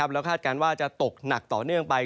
แล้วคาดการณ์ว่าจะตกหนักต่อเนื่องไป